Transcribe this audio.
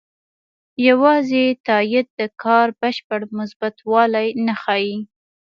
یوازې تایید د کار بشپړ مثبتوالی نه ښيي.